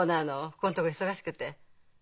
ここんとこ忙しくて。